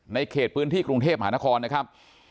เขตพื้นที่กรุงเทพมหานครนะครับ